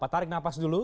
tarik nafas dulu